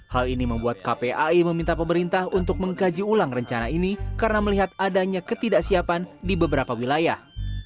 hal ini membuat kpai meminta pemerintah untuk mengkaji ulang rencana ini karena melihat adanya ketidaksiapan di beberapa wilayah